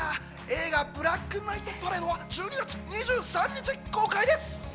映画『ブラックナイトパレード』は１２月２３日公開です。